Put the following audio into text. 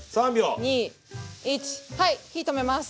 ２１はい火止めます。